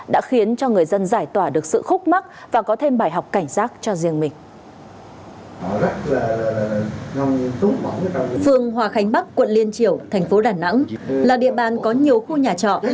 đã khiến cho người dân giải tỏa được sự khúc mắc và có thêm bài học cảnh giác cho riêng mình